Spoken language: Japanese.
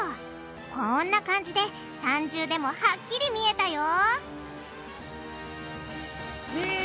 こんな感じで三重でもはっきり見えたよ「み」！